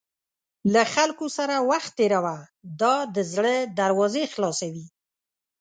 له خلکو سره وخت تېروه، دا د زړه دروازې خلاصوي.